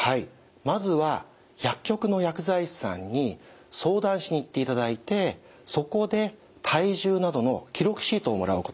まずは薬局の薬剤師さんに相談しに行っていただいてそこで体重などの記録シートをもらうことになります。